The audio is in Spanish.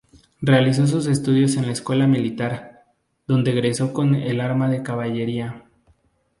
Realizó sus estudios en la Escuela Militar, donde egresó con el arma de Caballería.